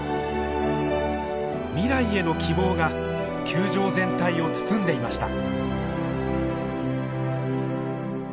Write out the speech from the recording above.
未来への希望が球場全体を包んでいました。